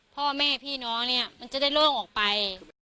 พ่อแม่พี่น้องเนี่ยมันจะได้โล่งออกไป